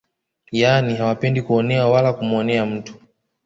Yaani hawapendi kuonewa wala kumuonea mtu